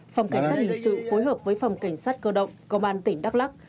phòng cảnh sát hình sự phối hợp với phòng cảnh sát cơ động công an tỉnh đắk lắc